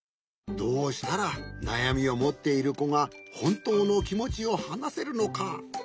どうしたらなやみをもっているこがほんとうのきもちをはなせるのか。